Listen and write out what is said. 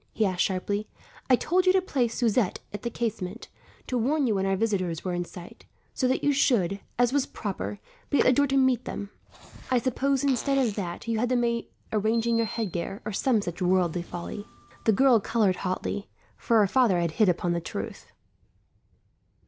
he asked sharply. "I told you to place Suzette at the casement, to warn you when our visitors were in sight, so that you should, as was proper, be at the door to meet them. I suppose, instead of that, you had the maid arranging your headgear, or some such worldly folly." The girl coloured hotly, for her father had hit upon the truth.